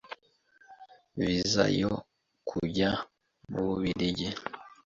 visa yo kujya mu bubirigi